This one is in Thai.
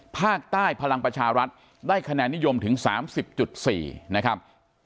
พลังประชารัฐได้คะแนนนิยมถึง๓๐๔นะครับ